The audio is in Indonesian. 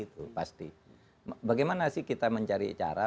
itu pasti bagaimana sih kita mencari cara